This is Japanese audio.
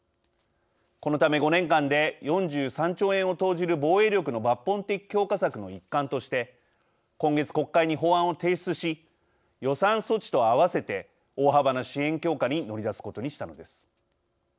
このため５年間で４３兆円を投じる防衛力の抜本的強化策の一環として今月国会に法案を提出し予算措置と合わせて大幅な支援強化に乗り出すことにしたのです。